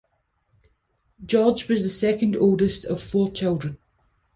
George was the second oldest of four children.